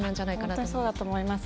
本当にそう思います。